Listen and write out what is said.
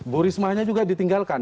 bu risma nya juga ditinggalkan